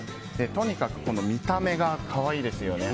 とにかく見た目が可愛いですね